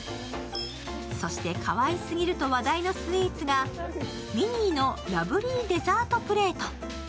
そしてかわいすぎると話題のスイーツがミニーのラブリーデザートプレート。